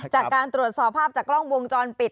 จากการตรวจสอบภาพจากกล้องวงจรปิด